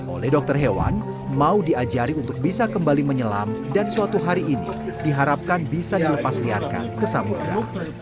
oleh dokter hewan mau diajari untuk bisa kembali menyelam dan suatu hari ini diharapkan bisa dilepas liarkan ke samudera